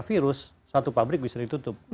virus satu pabrik bisa ditutup